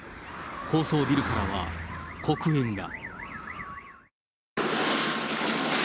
高層ビルからは黒煙が。